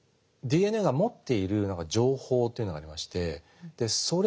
ＤＮＡが持っている情報というのがありましてそれが遺伝子。